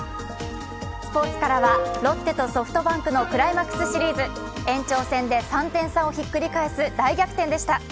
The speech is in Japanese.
スポーツからはロッテとソフトバンクのクライマックスシリーズ。延長戦で３点差をひっくり返す大逆転でした。